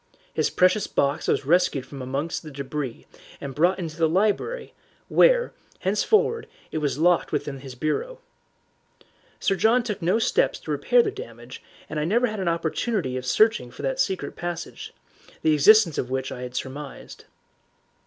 His precious box was rescued from amongst the debris and brought into the library, where, henceforward, it was locked within his bureau. Sir John took no steps to repair the damage, and I never had an opportunity of searching for that secret passage, the existence of which I had surmised.